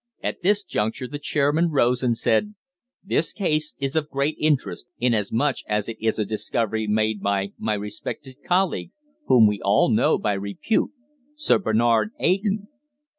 At this juncture the chairman rose and said: "This case is of great interest, inasmuch as it is a discovery made by my respected colleague, whom we all know by repute, Sir Bernard Eyton."